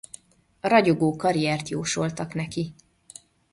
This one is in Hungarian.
Ragyogó karriert jósoltak neki.